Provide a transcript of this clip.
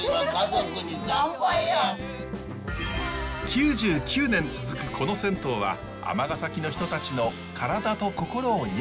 ９９年続くこの銭湯は尼崎の人たちの体と心を癒やしてきました。